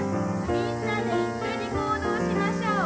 みんなで一緒に行動しましょう。